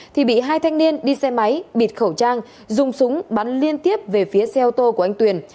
thì bị hai thanh niên đi xe máy bịt khẩu trang dùng súng bắn liên tiếp về phía xe ô tô của anh tuyền